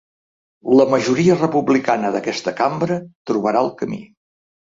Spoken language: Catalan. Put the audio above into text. La majoria republicana d’aquesta cambra trobarà el camí.